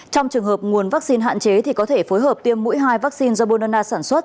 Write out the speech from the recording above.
trong trường hợp nguồn vaccine hạn chế thì có thể phối hợp tiêm mũi hai vaccine do brna sản xuất